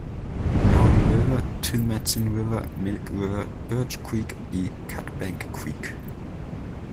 Mary River, Two Medicine River, Milk River, Birch Creek y Cut Bank Creek.